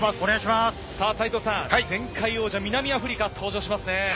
斉藤さん、前回王者・南アフリカが登場しますね。